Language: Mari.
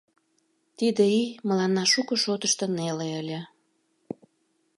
Тиде ий мыланна шуко шотышто неле ыле.